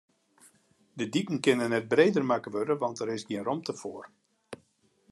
De diken kinne net breder makke wurde, want dêr is gjin romte foar.